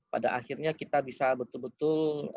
pada akhirnya kita bisa betul betul